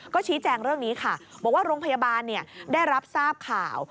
ก็ชี้แจงเรื่องนี้ค่ะบอกว่าโรงพยาบาลได้รับทราบข่าว